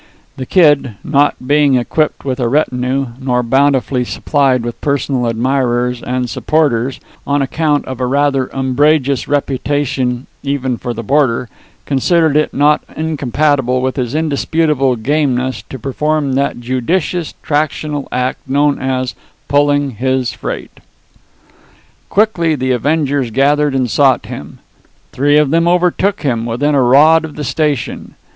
The Kid, not being equipped with a retinue, nor bountifully supplied with personal admirers and supporters on account of a rather umbrageous reputation, even for the border considered it not incompatible with his indisputable gameness to perform that judicious tractional act known as "pulling his freight." Quickly the avengers gathered and sought him. Three of them overtook him within a rod of the station.